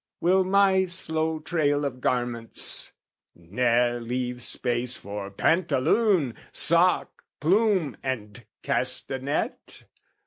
Will my slow trail of garments ne'er leave space For pantaloon, sock, plume, and castanet?